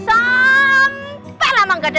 sampai lama gak ada